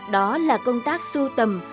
đó là công tác sưu tầm